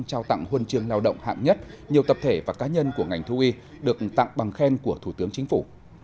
trao tặng huân chương lao động hạng nhất nhiều tập thể và cá nhân của ngành thu y được tặng bằng khen của thủ tướng chính phủ